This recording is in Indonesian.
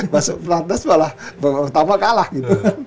masuk platnas malah bapak pertama kalah gitu